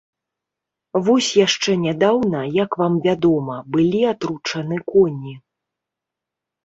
Вось яшчэ нядаўна, як вам вядома, былі атручаны коні.